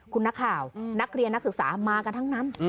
คุณนักข่าวนักเรียนนักศึกษามากันทั้งนั้น